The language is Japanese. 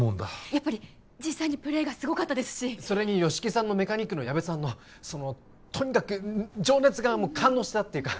やっぱり実際にプレーがすごかったですしそれに吉木さんのメカニックの矢部さんのそのとにかく情熱が感動したっていうか